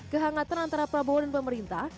kehangatan antara prabowo dan pemerintah